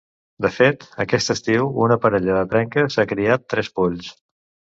De fet, aquest estiu una parella de trenques ha criat tres polls.